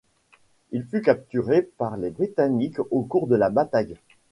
Il fut capturé par les Britanniques au cours de la bataille.